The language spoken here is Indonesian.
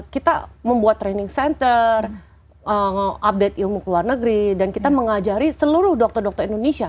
kita membuat training center mengupdate ilmu ke luar negeri dan kita mengajari seluruh dokter dokter indonesia